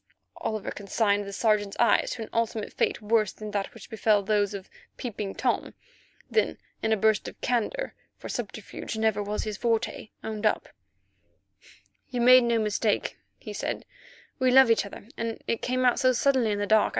Oliver consigned the Sergeant's eyes to an ultimate fate worse than that which befell those of Peeping Tom; then, in a burst of candour, for subterfuge never was his forte, owned up: "You made no mistake," he said, "we love each other, and it came out suddenly in the dark.